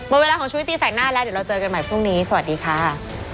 หมดเวลาของชุวิตตีแสกหน้าแล้วเดี๋ยวเราเจอกันใหม่พรุ่งนี้สวัสดีค่ะ